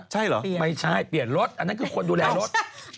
ใช่หรอเปลี่ยนรถอันนั้นคือคนดูแลรถ